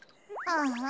ああ。